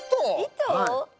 糸？